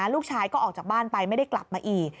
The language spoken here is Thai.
ลูกชายก็ออกจากบ้านไปไม่ได้กลับมาอีก